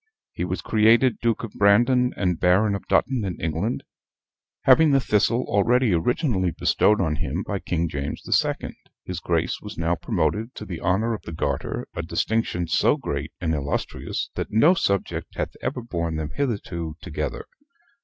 He was created Duke of Brandon and Baron of Dutton in England; having the Thistle already originally bestowed on him by King James the Second, his Grace was now promoted to the honor of the Garter a distinction so great and illustrious, that no subject hath ever borne them hitherto together.